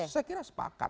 saya kira sepakat